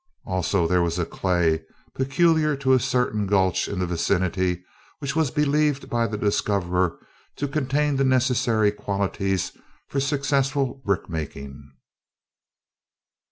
Also, there was a clay peculiar to a certain gulch in the vicinity which was believed by the discoverer to contain the necessary qualities for successful brick making.